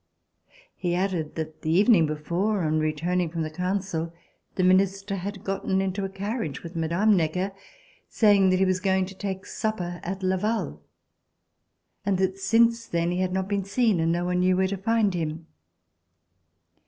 He added that the evening before, on returning from the Council, the Minister had gotten into a carriage with Mme. Necker, saying that he was going to take supper at Le Val, and that since then he had not been seen, and no one knew where to find him.